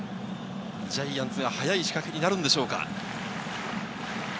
ジャイアンツが早い仕掛けになるのでしょうか？